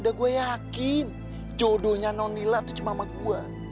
udah gua yakin jodohnya nonila tuh cuma sama gua